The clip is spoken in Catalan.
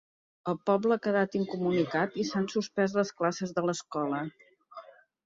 El poble ha quedat incomunicat i s’han suspès les classes de l’escola.